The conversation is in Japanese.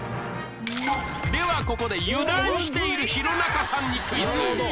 ではここで油断している弘中さんにクイズ